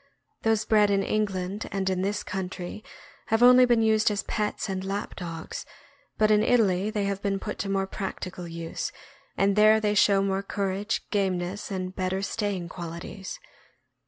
Those bred in England and in this country have only been used as pets and lap dogs, but in Italy they have been put to more practical use, and there they show more cour age, gameness, and better staying qualities.